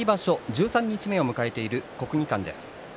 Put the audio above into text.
十三日目を迎えている国技館です。